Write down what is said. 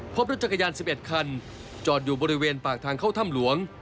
พบรถจักรยาน๑๑คันจอดอยู่บริเวณปากทางเข้าถ้ำหลวง